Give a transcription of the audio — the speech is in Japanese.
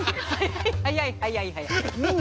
早い早い早い早い。